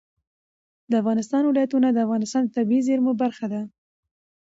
د افغانستان ولايتونه د افغانستان د طبیعي زیرمو برخه ده.